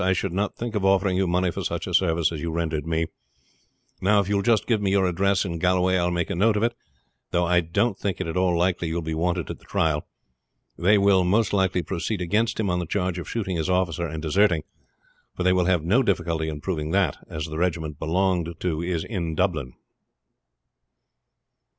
I should not think of offering you money for such a service as you rendered me. Now, if you will just give me your address in Galway I will make a note of it; though I don't think it at all likely you will be wanted at the trial. They will most likely proceed against him on the charge of shooting his officer and deserting; for they will have no difficulty in proving that, as the regiment he belonged to is in Dublin."